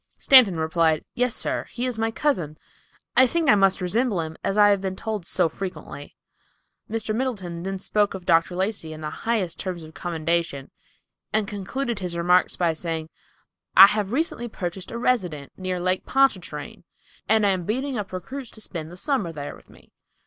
Stanton replied, "Yes, sir; he is my cousin. I think I must resemble him, as I have been told so frequently." Mr. Middleton then spoke of Dr. Lacey in the highest terms of commendation, and concluded his remarks by saying, "I have recently purchased a residence, near Lake Pontchartrain, and am beating up recruits to spend the summer there with me.